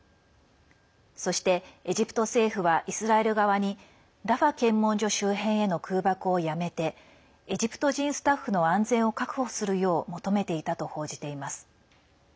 そして、エジプト政府はイスラエル側にラファ検問所周辺への空爆をやめてエジプト人スタッフの安全を確保するよう求めていたと報じています。